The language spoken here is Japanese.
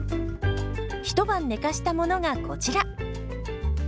一晩寝かしたものがこちら。